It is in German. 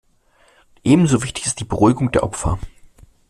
Ebenso wichtig ist die Beruhigung der Opfer.